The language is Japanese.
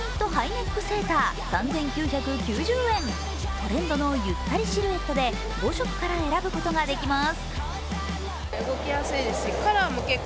トレンドのゆったりシルエットで５色から選ぶことができます。